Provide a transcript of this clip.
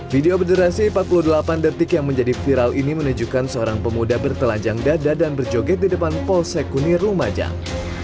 video berdurasi empat puluh delapan detik yang menjadi viral ini menunjukkan seorang pemuda bertelanjang dada dan berjoget di depan polsekunir lumajang